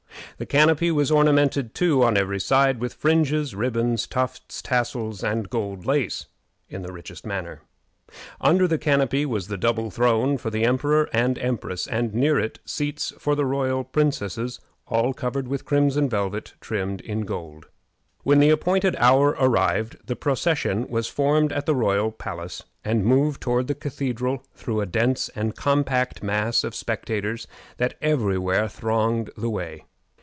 The canopy was ornamented, too, on every side with fringes, ribbons, tufts, tassels, and gold lace, in the richest manner. Under the canopy was the double throne for the emperor and empress, and near it seats for the royal princesses, all covered with crimson velvet trimmed with gold. When the appointed hour arrived the procession was formed at the royal palace, and moved toward the Cathedral through a dense and compact mass of spectators that every where thronged the way.